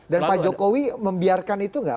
dan pak jokowi membiarkan itu nggak